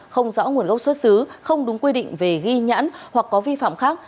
không rõ nguồn gốc xuất xứ không đúng quy định về ghi nhãn hoặc có vi phạm khác